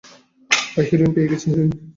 ভাই, হিরোইন পেয়ে গেছি হিরোইন!